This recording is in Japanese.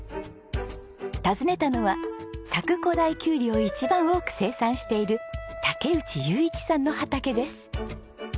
訪ねたのは佐久古太きゅうりを一番多く生産している竹内有一さんの畑です。